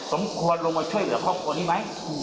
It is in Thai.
สมควรลงมาช่วยเหลือครอบครัวนี้ไหม